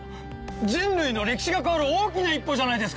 人類の歴史が変わる大きな一歩じゃないですか。